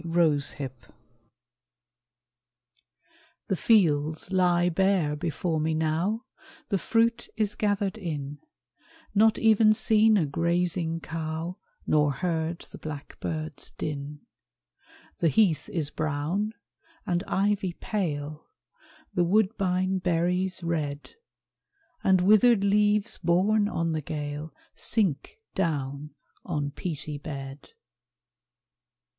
LATE AUTUMN The fields lie bare before me now, The fruit is gathered in, Not even seen a grazing cow, Nor heard the blackbird's din. The heath is brown, and ivy pale, The woodbine berries red, And withered leaves borne on the gale Sink down on peaty bed.